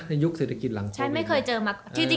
ในยุคศิลธกิจหลังโควิด